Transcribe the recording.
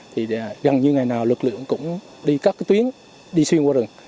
thì gần như ngày nào lực lượng cũng đi các cái tuyến đi xuyên qua rừng